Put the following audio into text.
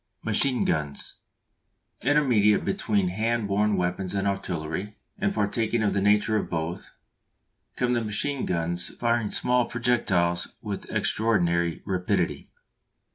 MACHINE GUNS. Intermediate between hand borne weapons and artillery, and partaking of the nature of both, come the machine guns firing small projectiles with extraordinary rapidity.